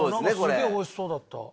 すげえおいしそうだった。